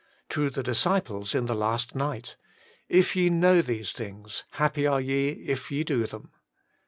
To the disciples in the last night :' If ye know these things, happy are ye if ye do them.'